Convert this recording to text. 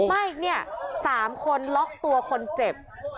ไม่เนี่ย๓คนล็อกตัวคนเจ็บ